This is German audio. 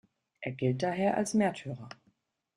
Er gilt daher als Märtyrer.